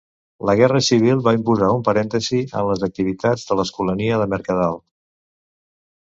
La Guerra Civil va imposar un parèntesi en les activitats de l’Escolania del Mercadal.